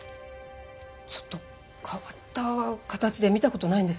ちょっと変わった形で見た事ないんですけども。